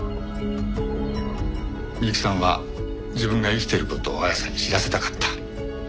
美雪さんは自分が生きている事を亜矢さんに知らせたかった。